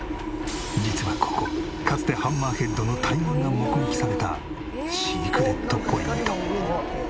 実はここかつてハンマーヘッドの大群が目撃されたシークレットポイント。